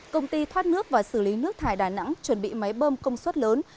công ty thoát nước và xử lý nước thải đà nẵng chuẩn bị máy bơm công suất lớn